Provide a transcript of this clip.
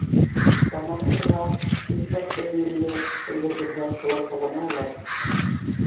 Тамағы туйһа, өҫ-башы йүнле әйбер күрһә, шулай ҡылана улар.